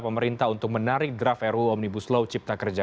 pemerintah untuk menarik draft ruu omnibus law cipta kerja